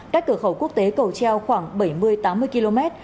cách cửa khẩu quốc tế cầu treo khoảng bảy mươi tám mươi km